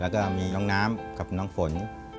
แล้วก็มีน้องน้ำกับน้องฝน